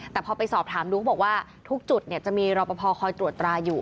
แต่พอไปสอบถามดูเขาบอกว่าทุกจุดจะมีรอปภคอยตรวจตราอยู่